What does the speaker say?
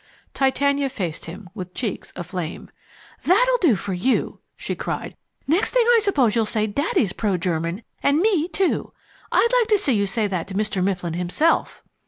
Titania faced him with cheeks aflame. "That'll do for you!" she cried. "Next thing I suppose you'll say Daddy's pro German, and me, too! I'd like to see you say that to Mr. Mifflin himself."